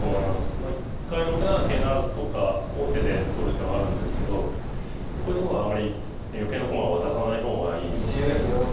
まあ一回６七桂不成とか王手で取る手はあるんですけどこういうところはあまり余計な駒を渡さない方がいいですね。